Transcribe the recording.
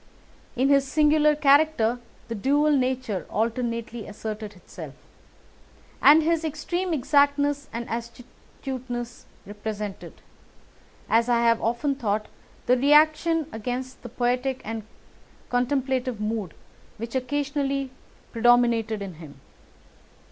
In his singular character the dual nature alternately asserted itself, and his extreme exactness and astuteness represented, as I have often thought, the reaction against the poetic and contemplative mood which occasionally predominated in him.